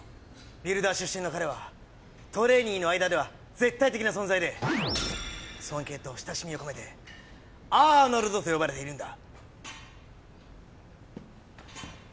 ビルダー出身の彼はトレーニーの間では絶対的な存在で尊敬と親しみを込めて「アーノルド」と呼ばれているんだ。